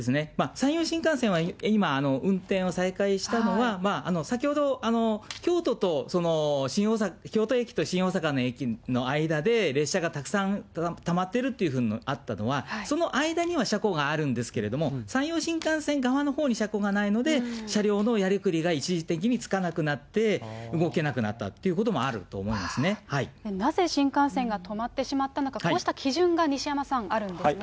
山陽新幹線は今、運転を再開したのは、先ほど京都と、京都駅と新大阪の間で列車がたくさんたまっているっていうふうにあったのは、その間には車庫があるんですけれども、山陽新幹線側のほうに車庫がないので、車両のやりくりが一時的につかなくなって、動けなくなったというなぜ新幹線が止まってしまったのか、こうした基準が西山さん、あるんですね。